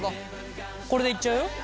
これでいっちゃうよ？